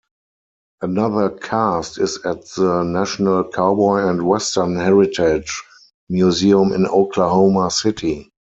Another cast is at the National Cowboy and Western Heritage Museum in Oklahoma City.